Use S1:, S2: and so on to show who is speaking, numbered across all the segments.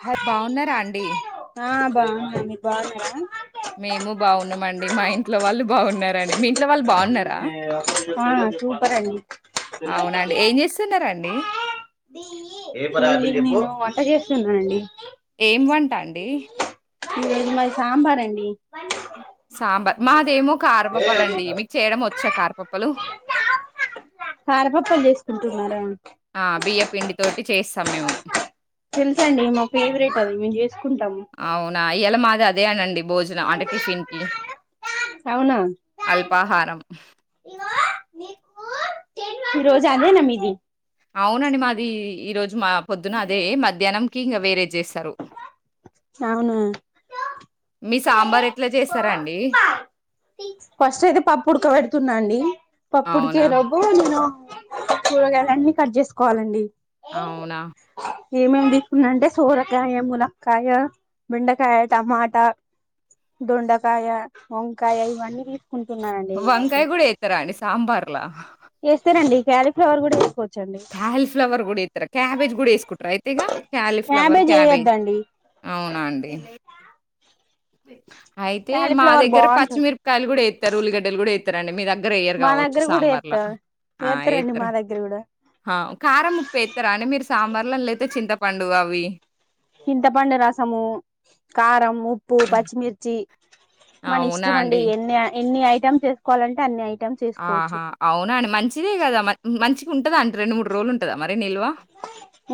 S1: హ
S2: బావున్నరా అండి
S1: ఆ బాగున్నా మీరు బాగున్నారా
S2: మేము బాగున్నామండి మా ఇంట్లో వాళ్ళు బాగున్నారండి మీ ఇంట్లో వాళ్ళు బాగున్నారా
S1: ఆ సూపర్ అండి
S2: అవునండి ఏం చేస్తున్నారండి
S1: నిను వంట చెస్ స్తున్నానండి
S2: ఏం వంట అండి
S1: హు మాది సాంబార్ అండి
S2: సాంబార్ మాదేమో కారపప్పలండి మీకు చేయడం వచ్చా కారపప్పలు
S1: కారపప్పులు చేసుకుంటున్నార
S2: ఆ బియ్య పిండి తోటి చేస్తాం మేము
S1: తెలుసండి మా ఫేవరెట్ అది మేము చేసుకుంటాము
S2: అవునా! ఇయాల మాది అదే అనండి భోజనం అంటే టిఫిన్ కి
S1: అవునా
S2: అల్పాహారం
S1: ఈ రోజు అదేన మీది
S2: అవునండి మాది ఈ రోజు మా పొద్దున అదే మధ్యాహ్నంకి ఇంగ వేరేద్ చేస్
S1: అవునా
S2: మీ సాంబార్ ఎట్లా చేస్తారండి
S1: ఫస్ట్ అయితే పప్పుఉడుక పెడుతున్నా అండి
S2: అవునా!
S1: పప్పుడికేలోపు నేను కూరగాయలన్నీ కట్ చేసుకోవాలండి
S2: అవునా!
S1: ఏమేమి తీసుకున్న అంటే సోరకాయ ములక్కాయ బెండకాయ టమాటా దొండకాయ వంకాయ ఇవన్నీ తీసుకుంటున్నానండి నేనైతే
S2: వంకాయ కూడా ఎత్తరా అండి సాంబార్ల
S1: ఎస్తారండి క్యీఫ్లవర్ కూడా ఏస్కోచ్
S2: క్యాలీఫ్లవర్ కూడా ఇఎత్తరు క్యాబేజ్ కూడా ఏసుకుంటారు అయితే ఇగా క్యాలీఫ్లవర్ క్యాబేజ్ అవునా అండి అయితే మా
S1: క్యాలీఫ్లవర్
S2: దగ్గర
S1: బాగుంటది
S2: పచ్చిమిరపకాయలు కూడా వేసారు ఉల్లిగడ్డలు కూడాస్తారు అండి మీదగ గ్రేయర్
S1: మా
S2: కావచ్చు
S1: దగ్గర కూడా ఎత్త
S2: సాంబార్లార
S1: ఎత్తరండి మా దగ్గర కూడా
S2: కారం ముప్పుతార అ మీరు సాంబార్లు లేయితే చింతపండు అవి
S1: చింతపండు రసము కారంము పూ
S2: ఆ!
S1: పచ్చిమిర్చి మన ఇష్టమ అండి ఎన్ని ఎన్ని అయి చేసుకోవాలంటే అన్ని అయి
S2: ఆహా అవునా అండి మంచిదే కదా మ మంచి ఉంటా అంట రెండు మడు రోజలుంటా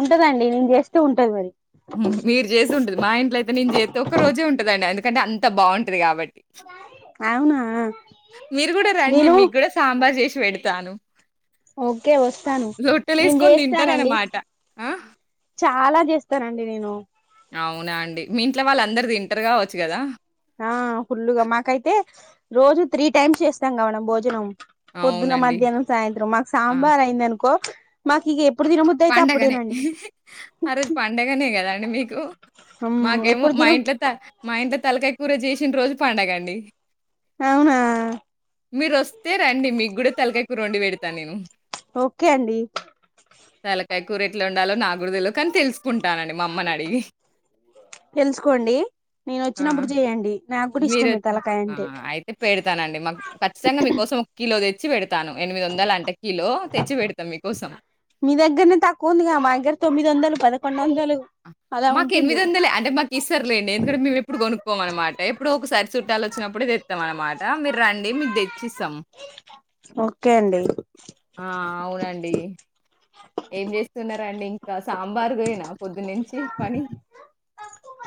S1: ఉంటదండి నేను చేస్తే ఉంటది మరి
S2: మీరు చేసి ఉంటుది మా ఇంట్లో అయితే నేను చేస్తే ఒక్క రోజే ఉంటుదండి అందుక కానీ అంత బాగుంటది కాబట్టి
S1: అవునా
S2: మీరు గూడా రండి.
S1: నేను
S2: మీకు గూడా సాంబార్ జేసి పెడతాను
S1: ఓకే వస్తాను నేను
S2: రొట్టెలేసుకొని
S1: చేస్తానండి
S2: తింటారనమాట. ఆ!
S1: చాలా చేస్తానండి నేను
S2: అవునా అండి మీ ఇంట్లో వాళ్ళు అందరు తింటర్గావచ్చు కదా
S1: ఆ ఫుల్లుగా మాకైతే రోజు త్రీ టైమ్స్ చేస్తాం గా మనం భోజనం పొద్దున
S2: అవునండి.
S1: మధ్యాహ్నం సాయంత్రం మాకు
S2: ఆ!
S1: సాంబార్ అయిందను కో మాకిగ ఎ
S2: పండగనే హాహ ఆ రోజు పండగనే కదా అండి మీకు
S1: మ్మ్
S2: మాకేమో
S1: ఎప్పుడు
S2: మా
S1: తినం
S2: ఇంట్లో త మా ఇంట్లో తలకాయ కూర చేసిన రోజు పండగ అండి
S1: అవునా
S2: మీరొస్తే రండి మీ కూడా తలకాయ కూరండి వెడతా నేను
S1: ఓకే అండి
S2: తలకాయ కూరెట్ల వండాలో నాకు కూడ తెలవదు కానీ తెలుసుకుంటానండి మా అమ్మని అడిగి
S1: తెలుసుకోండి నేను వచ్చినప్పుడు చేయండి నాకు కూడా
S2: మీరు
S1: ఇష్టమే
S2: వచ్చినప్పుడు
S1: తలకాయ
S2: ఆ
S1: అంటే
S2: అయితే పెడతానండి మా ఖచ్చితంగా మీకోసం ఓ కి కిలో తెచ్చి పెడతాను ఎనిమిది వందలు అంట కిలో తెచ్చి పెడతా మీకోసం
S1: మీ దగ్గరనే తక్కువ ఉందిగా మా దగ్గర తొమ్మిది వందలు పదకొండు వందలు అలా
S2: మాకు ఎనిమిది
S1: ఉంటుంది
S2: వందలే అంటే మాకు ఇస్తారులేండి ఇక్కడ మేము ఎప్పుడు కొనుక్కోము అనమాట ఎప్పుడో ఒకసారి చుట్టాలు వచ్చినప్పుడే తెస్తాం అనమాట మీరు రండి మీకు తెచ్చిస్తాం
S1: ఓకే అండి
S2: ఆ! అవునండి ఏం చేస్తున్నారండి ఇంకా సాంబార్ దేనా పొద్దునుంచి పని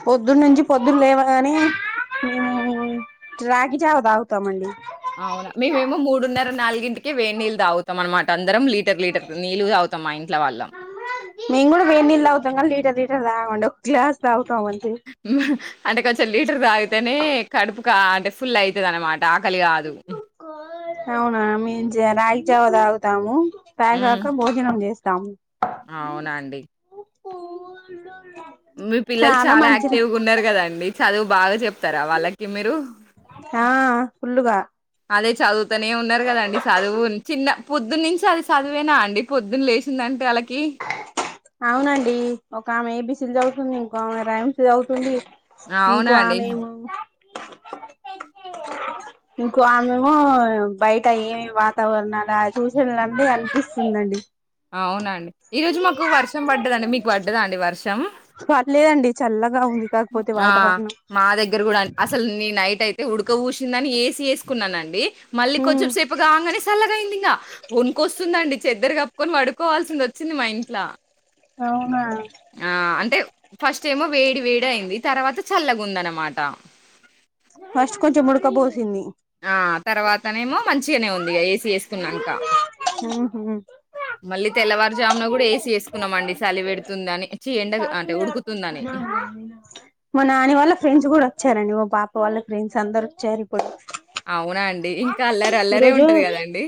S1: పొద్దునుంచి పొద్దున లేవాగానే హ్మ్ రాగి జావా తాగుతామండి.
S2: అవునా మేమేమో మూడున్నర నాలుగింటికి వేడి నీళ్ళు తాగుతాం అన్నమాట అందరం లీ
S1: మేం కూడా వెేడి నీళ్లు తాగుతం కానీ లీటర్ లీ టర్ తాగమండి ఓ గ్లాస్ తాగు
S2: హ్మ్ అంటే కొంచెం లీటర్ తాగితేనే కడుపు కాలీ ఫుల్ అయితది అనమాట
S1: అవునా మేం జా రాగిజావ తాగు తాము. తాగాక భోజనం చేస్ తాం
S2: ఆ అవునా అండి
S1: ఓ
S2: మీ పిల్లలు చాలా యాక్టివ్ గున్నరు కదండి చదువు బాగా చెప్తారా వాళ్ళకి మీరు
S1: ఆ ఫుల్లుగా
S2: అదే చదువుతనే ఉన్నారు కదండి చదువు చిన్న పొద్దునుంచి అది సదువేనా అండి పొద్దున్న లేచిందంటే ఆళ్ళకి
S1: అవునండి ఒక ఆమె ఏబిసిలు చదువుతుంది, ఇంకో ఆమె రైమ్స్ చదువుతుంది.
S2: అవునా
S1: ఇంకో
S2: అండి
S1: ఆమెమో ఇంకో ఆమెమో బయట ఏమేమి వాతావరణాలు చూ అనిపిస్తుందండి
S2: అవునండి ఈ రోజు మాకు వర్షం పడ్డదండి మీకు పడ్డదా అండి వర్షం
S1: పర్లేదండి చల్లగా ఉంది కాకపోతే
S2: ఆ
S1: వాతావరణం
S2: మా దగ్గర కూడా అసలు నేనైతే ఎప్పుడు ఊసిందని ఏసీ వేసుకున్నానండి మళ్ళీ కొంచెం సేపుగా ఆగానే సల్లగా అయింది ఇంకా వనుకొస్తుందండి చెద్దర కప్పు కొన్ని పడుకోవాల్సింది వచ్చింది మా ఇంట్ల
S1: అవునా?
S2: ఆ అంటే ఫస్ట్ ఏమో వేడి వేడి అయింది తర్వాత చల్లగుందనమాట.
S1: ఫస్ట్ కొంచెం ముడుకోబోద్
S2: ఆ తర్వాతనేమో మంచిగనే ఉంది ఏసీ వేసుకున్నాక
S1: ఉహు
S2: మళ్ళీ తెల్లవారుజామున కూడా ఏసీ వేసుకున్నామండి చలి పెడుతుందని చ్చి ఎండ అంటే ఉడుకుతుందని
S1: మా నాని వాళ్ళ ఫ్రెండ్స్ కూడా వచ్చారండి మా పాప వాళ్ళ ఫ్రెండ్స్ అందరు వచ్చారు
S2: అవునా అండి ఇంకా అల్లరి అల్లారే ఉంటది కదండి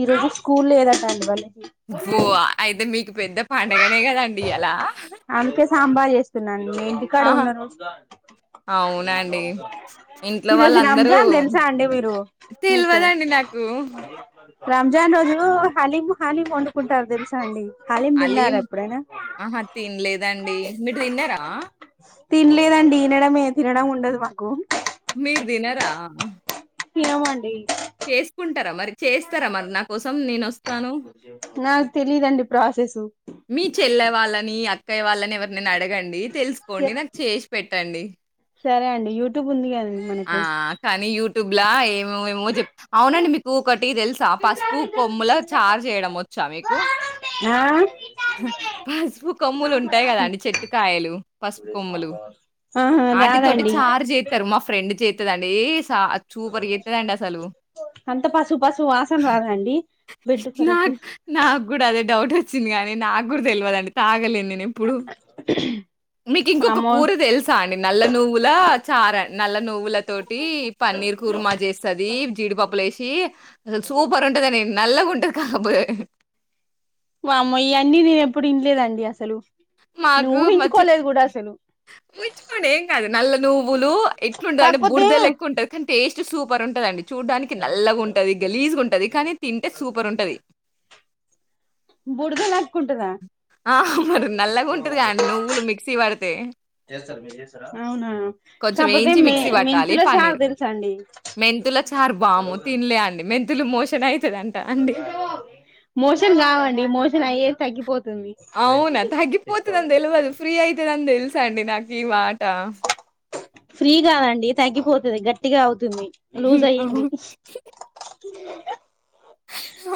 S1: ఈ రోజు స్కూల్ లేదట అందువలె
S2: ఫో అయితే మీక్ పెద్ద పండగనే కదండి ఇయాల
S1: అందుకే సాంబార్ చేస్తున్నాన్ ఇంటి కాడ ఉండరు.
S2: అవునా అండి. ఇంట్లో తిన్నారా
S1: ఈరోజు
S2: వాళ్ళందరూ
S1: రంజాన్
S2: అండి
S1: తెలుసా
S2: అన్నం?
S1: అండి మీరు మీకు
S2: తెలవదండి నాకు.
S1: రంజాన్ రోజు హలీం హలీం వండుకుంటారు తెలుసా అండి? హలీం
S2: అలీం
S1: తిన్నారా ఎప్పుడైనా
S2: ఆహా తినలేదండి. మీరు తిన్నారా?
S1: తినలేదండి ఇ నెల మెమ్ తినడం ఉండదు మాకు
S2: మీర్ తినరా?
S1: తినమండి.
S2: చేసుకుంటారా మరి చేస్తారా మరి నా కోసం, నేను వస్తాను?
S1: నాకు తెలీదండి ప్రాసెస్
S2: మీ చెల్లె వాళ్ళని, అ కైవాలళనివనీ ఎవర్నైనా అడగండి తెలుసుకోండి నాకు చేసి పెట్టండి
S1: సరే అండి యూ్యూబ్ ఉంది కద
S2: ఆ కానీ యూ తుబ్లాయి ఏమొమొ చెప్. అవునండి మీకు ఒకటి తెలుసా? పసుపు కొమ్ముల చార్ చేయడం వచ్చా, మీకు?
S1: హా
S2: పసుపు కొమ్ములు ఉంటాయి కదా అండి చెట్టుకాయలు పసుపు కొమ్ములు?
S1: ఆహా
S2: వాటి తోటి
S1: రాదండి
S2: చారు చేస్తారు. మా ఫ్రెండ్ చే చేస్తదండి చ చూపరి ఎతుదండి అసలు.
S1: అంత పసుపు పసుపు వాసన రాదండి బెడ్ ఖరాబ్
S2: నాక్
S1: చేస్త
S2: నాకు కూడా అదే డౌట్. చిినీ నాక్కూడా తెలివదండి తాగలే నేను ఎప్పుడు మీకు ఇంకొక
S1: వామ్మో
S2: కూర తెలుసా అండి? నల్ల నువ్వుల చారు, అండి? నల్ల నువ్వుల తోటి పన్నీర్ కుర్మా చేస్తుది జీడిపప్పులు వేసి. అసల్ సూపర్ ఉంటుద నె నల్ల గుంట ని కాబ
S1: వామ్మ ఇవన్నీ నేను ఎప్పుడు ఇట్లేదండి అసలు. నేను
S2: మాకు, మచ్చి
S1: ఊహించుకోలేదు కూడా అసలు
S2: ఊహించుకోండి ఏం కాదు నల్ల నువ్వులు ఎట్లాంటుంది అంటే,
S1: కాకపోతే
S2: బుడిద లెక్క ఉంటుంది. కానీ, టేస్ట్ సూపర్ ఉంటుందిండి, చూడ్డానికి నల్లగా ఉంటంది, గలీజుగా ఉంటుది కానీ తింటే సూపర్ ఉంటాది.
S1: బుడద ల
S2: ఆ మరి నల్లగా ఉంటది కండి నువ్వులు మిక్సీ పడితే.
S1: అవునా
S2: కొంచెం
S1: కాకపోతే
S2: వేయించి
S1: మే
S2: మిక్సీ పట్టాలి
S1: మెంతుల చారు
S2: పన్నీర్.
S1: తెలుసా అండి
S2: మెంతుల చారు వామ్మో తినలే అండి మెం మెంతులు మోషన్ ఐ
S1: మోషన్ కావండి మోషన్ అయే తగ్గిపొ
S2: అవునా? తగ్గిపోతుందని తెలియదు ఫ్రీ అయితేందని తెలుస అండి నాకు ఈ మాట.
S1: ఫ్రీ కాదండి తగ్గిపోతుంది గట్టిగా అవుతుంది లూజ్ అయ్యింది
S2: అవును.
S1: త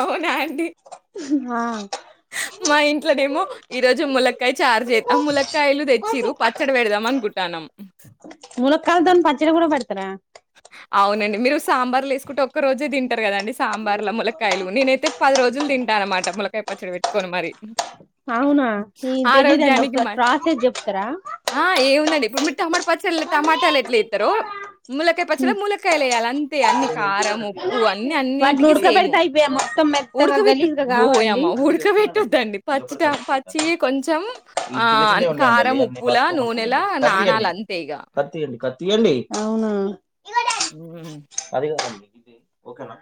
S2: అవునా అండి
S1: ఆ
S2: మా ఇంట్లోనేమో ఈ రోజు ములక్కాయ చారు చేదం ముల్లక్కాయలు తెచ్చిరు పచ్చడి పెడదాం అనుకుంటాన్నాం
S1: ములక్కాయలతోని పచ్చడి కూడా పెడతారా
S2: అవునండి మీరు సాంబార్లు వేసుకుంటే ఒక్క రోజే తింటారు కదండి సాంబార్ల ములక్కకాయలు నేనైతే పది రోజులు తింటా అన్నమాట ములకాయ పచ్చడి పెట్టుకొని మరి
S1: అవునా ఏ తెలీదండి
S2: ఆరోగ్యానికి మ
S1: ఒకసారి ప్రాసెస్ చెప్తారా
S2: ఆ! ఏముందండి. ఇప్పుడు మమా పచ్చ టమాటాలో ఎట్లా వేస్తారో ములకాయ పచ్చడి ములకాయ లేయాలి అంతే అన్ని కారం ఉప్పు అన్ని
S1: వాటిని
S2: అన్నిటికి సేము
S1: ఉడకబెడితే అయిపోయా మొత్తం మెత్తగా
S2: ఉడక పెట్టడం
S1: గలీజ్గా కావా అండి
S2: ఓయమ్మ ఉడకబెట్టద్దండి పచ్చిట పచ్చి కొంచెం ఆ కారం ఉప్పులా నూనెలా నాణాల అంతే ఇక
S1: తీయండి అవున
S2: ఉ
S1: ఓకేనా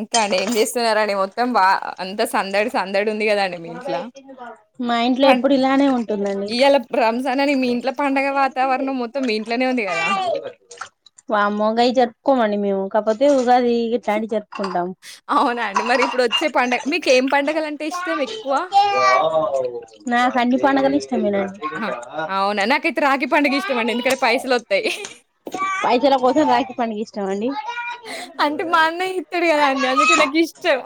S2: ఇంకా అండి ఏం చేస్తున్నారడి మొత్తం వా అంత సందడి సందడి ఉంది కదండి మీ ఇంట్ల.
S1: మా ఇంట్లో
S2: పన్
S1: ఎప్పుడు ఇలానే ఉంటుందండి
S2: ఇయాల రంజాన్ అని మీ ఇంట్ల పండగ వాతావరణం మొత్తం మీ ఇంట్లనే ఉంది కదా!
S1: వామ్మోగాయ జరుపుకోమండి మేము కాకపోతే ఉగాది ఇట్లాంటివి జరుపుకుంటాం
S2: అవునండి మరి ఇప్పుడు వచ్చే పండగ మీకేం పండగలంటే ఇష్టం ఎక్కువ?
S1: నాకాన్ని పండగల లీ
S2: ఆ అవునా నాకైతే రాగి పండుగ ఇష్టమండి ఎందుకంటే పైసలు వస్తాయి
S1: పైసెల కోసం రాకి పండుగ ఇష్టం అండి
S2: అంటే మా అన్న హితుడు కదా అండి అందుకే నాకు ఇష్టం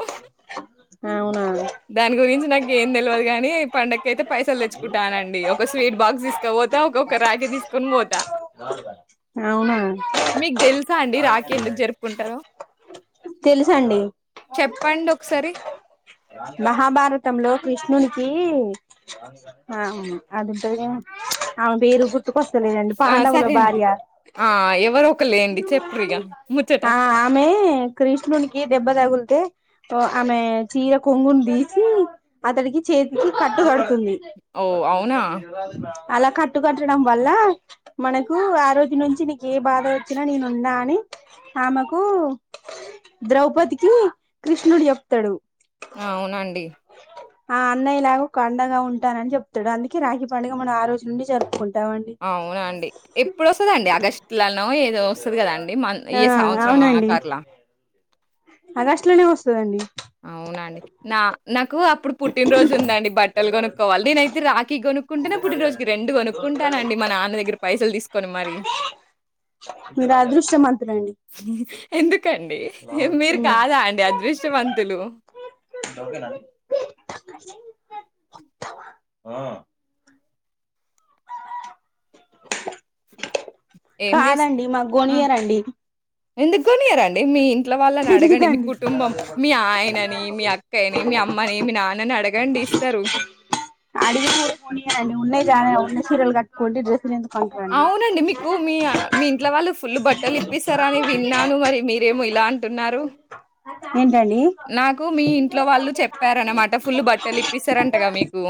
S1: అవునా
S2: దాని గురించి నాకు ఏం తెలియదు కాని ఈ పండగ కేతే పైసలు తెచ్చుకుంటానండి ఒక స్వీట్ బాక్స్ తీసుకపోతా ఒొక్క రాకి తీసుకొని పోతా
S1: అవునా
S2: మీకు తెలుసా అండి ఎందుకు జరుపుకుంటారో?
S1: తెలుసండి
S2: చెప్పండొకసారి.
S1: మహాభారతంలో కృష్ణ నునికి ఆ అదింట అను పేరు కు గుర్తుకొస్తలేదండి
S2: ఆ
S1: పాండవుల
S2: సరే అండి
S1: భార్య
S2: ఆ ఎవరో ఒకలేండి చెప్పురిగా ముచ్చట
S1: ఆ ఆమె కృష్ణుడికి దెబ్బ తగులు ఆమె చీర కొంగును తీీసి అతడికి చేతికి కట్టుకడుతుంది
S2: ఓ
S1: అపుం
S2: అవునా! అవునండి.
S1: తీరగాది అలా కట్టుకట్టడం వల్ల మనకు ఆ రోజు నుంచి నీకు ఏ బాధ వచ్చినా నేనుందా అని ఆమెకు ద్రౌపదికి కృష్ణుడు చెప్తాడు
S2: అవునండి
S1: ఆ అన్నయిలాగ కండగా ఉంటు ఉంటా అ చెప్తడు అందుకే రాఖీ పండుగన ఆ రోజు నుండి జరుకుంటం
S2: అవునండి ఎప్పుడు వస్తుదండి ఆగస్టులన ఏదో వస్తది కదండి మ
S1: ఆ
S2: ఏ సంవత్సరం ఆ
S1: అవునండి
S2: కర్లా
S1: ఆగస్టు లోనే వస్తదండి
S2: అవునండి నా నాకు అప్పుడు పుట్టినరోోజు ఉందండి బట్టలు కొనుక్కోవాలి నేనైతే రాఖీ కొనుక్క కుంటన్న పూటిన రోజుకి రెండు కొనుకుంటునాండి మా నాన్న దగ్గర పైసల్ తీసు
S1: మీరు అదృష్టమంతులండి
S2: ఎందుకండి మీరు కాదా అండి అదృష్టవంతులు
S1: ఆ
S2: ఏం జేస్
S1: కాదండి మాకు
S2: ఆ!
S1: గొనియరండి
S2: ఎందుకు కొనియారండి మీకి ఇట్ల వాళ్ళని అడగండి మీ
S1: తెలీదండి
S2: కుటుంబం మీ ఆయనని మీ అక్కయని మీ అమ్మని మీ నాన్నని అడగండి ఇస్తారు
S1: అడిగిన కూడా కొనియాడండి ఉన్న సలాయ ఉన్న సీరలు కట్కుకోండి డ్రెస్సులు ఎందుకు కొంటారండి
S2: అవునండి మీకు మీ మీ ఇంట్లో వాళ్ళు ఫుల్ బట్టలు ఇప్పిస్తారా అని విన్నాను మరి మీరేమో లా అంటున్నారు
S1: అ
S2: నాకు మీ ఇంట్లో వాళ్ళు చెప్పారనమాట ఫుల్ బట్టలు ఇప్పిస్తారంటగా మీకు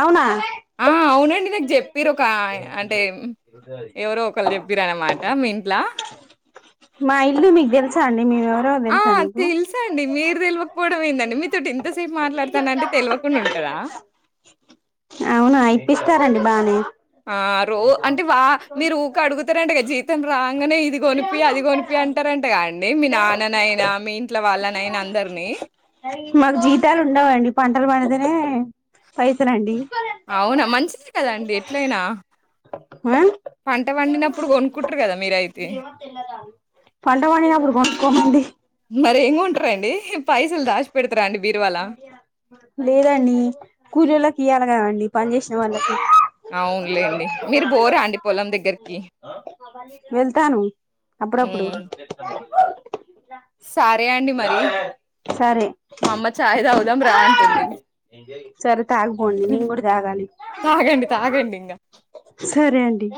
S1: అవునా
S2: ఆ అవునండి నాకు చెప్పిరు ఒక అంటే ఎవరో ఒకలు చెప్పిరు అనమాట మీ ఇంట్ల
S1: మా ఇల్లు మీకు తెలుసా అండి మేమెవరో
S2: ఆ
S1: తెలుసా నీకు
S2: తెలుసండి మీరు తెలవకపోవడం ఏందండి మీతో టి ఎంతసేపు మాట్లాడతానంటే తెలవకుండ ఉంటదా
S1: ఇస్తారండి బానే
S2: ఆ రో అంటే వా మీరు ఊక అడుగుతారటగా జీతం రాంగనే ఇది కొనిపి అది కొనిపి అంటారంటగా అండి మీ నాన్ననయిన మీ ఇంట్లో వాళ్ళనయిన అందరినీ
S1: మాకు జీతాలు ఉండవండి పంటలు పండుతనే పైసలండి
S2: అవున మంచిది కదాండి ఎట్లయినా
S1: ఆ
S2: పంట పండినప్పుడు కొనుక్కుంటరు కదా మీరయితే
S1: పంట పండినప్పుడు కొనుక్కోమండి
S2: మరీ ఎం కొంటరండి పైసల్ దసిపెడ్తర అండి బీరువాల
S1: కియాల కదండి పని చేసిన వాళ్ళకు
S2: అవునులేండి మీరు బోరా అండి పొలం దగ్గరికి
S1: వెళ్తాను అప్పుడప్పుడు
S2: ఉ సరే అండి మరి
S1: సరే
S2: మా అమ్మ చాయ్ తాగుదాం రా అంటుంది.
S1: ఓయ్ సరే తాగుపోండి నేను కూడా తాగాలి
S2: తాగండి. తాగండింగ.
S1: సరే అండి